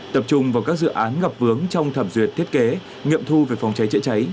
tập trung vào các dự án gặp vướng trong thẩm duyệt thiết kế nghiệm thu về phòng cháy chữa cháy